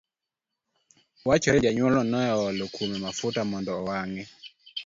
Wachore ni janyuolno ne oolo kuome mafuta mondo owang'e.